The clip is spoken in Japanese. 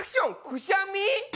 くしゃみ？